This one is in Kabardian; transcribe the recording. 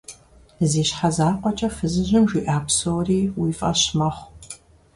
Зи щхьэ зэкӀуэкӀа фызыжьым жиӀэ псори уи фӀэщ мэхъу.